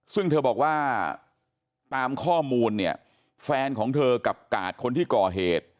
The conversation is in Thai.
ซึ่งเธอบอกว่าตามข้อมูลเนี่ยแฟนของเธอกับกาดคนที่ก่อเหตุ